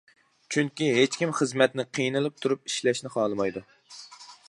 چۈنكى ھېچكىم خىزمەتنى قىينىلىپ تۇرۇپ ئىشلەشنى خالىمايدۇ.